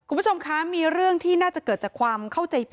คุณผู้ชมคะมีเรื่องที่น่าจะเกิดจากความเข้าใจผิด